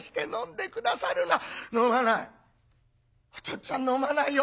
っつぁん飲まないよ。